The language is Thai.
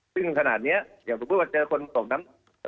ซึ่งขนาดนี้อย่างสมมุติว่าเจอคนตกน้ำ